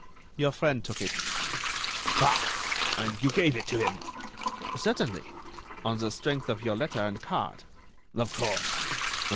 "Your friend took it." "Ah!... and you gave it to him?" "Certainly; on the strength of your letter and card." "Of course